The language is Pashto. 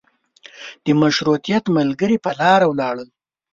د مشروطیت ملګري په لاره ولاړل.